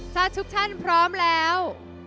ถ้าทุกท่านพร้อมแล้ว